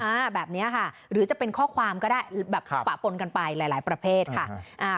อ่าแบบนี้ค่ะหรือจะเป็นข้อความก็ได้แบบปะปนกันไปหลายหลายประเภทค่ะอ่า